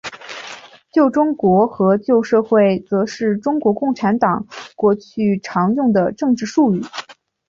旧中国和旧社会则是中国共产党过去常用的政治术语。